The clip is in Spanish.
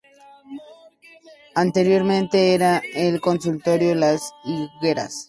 Anteriormente era el Consultorio Las Higueras.